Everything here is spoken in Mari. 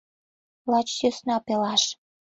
Лач сӧсна пелаш.